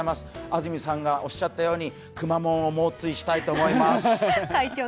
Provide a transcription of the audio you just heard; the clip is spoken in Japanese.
安住さんがおっしゃったようにくまモンを猛追したいと思います。